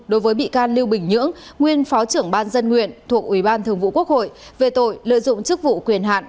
đối với bị can lưu bình nhưỡng nguyên phó trưởng ban dân nguyện thuộc ủy ban thường vụ quốc hội về tội lợi dụng chức vụ quyền hạn